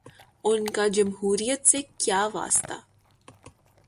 ان کا جمہوریت سے کیا واسطہ۔